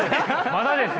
まだですよ。